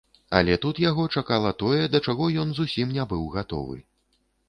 Але тут яго чакала тое, да чаго ён зусім не быў гатовы.